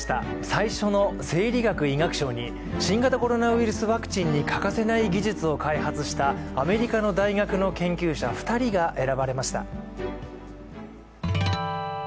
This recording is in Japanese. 最初の生理学・医学賞に、新型コロナウイルスワクチンに欠かせない技術を開発したアメリカの大学の研究者２人が選ばれました。